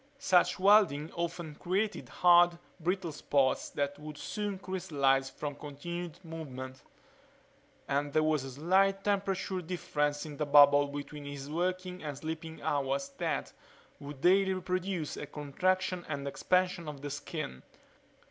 Such welding often created hard, brittle spots that would soon crystallize from continued movement and there was a slight temperature difference in the bubble between his working and sleeping hours that would daily produce a contraction and expansion of the skin.